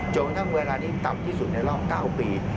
จนถึงเวลานี้ต่ำที่สุดในล่อง๙ปี